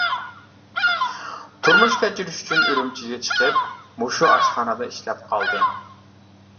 تۇرمۇش كەچۈرۈش ئۈچۈن ئۈرۈمچىگە چىقىپ، مۇشۇ ئاشخانىدا ئىشلەپ قالدى.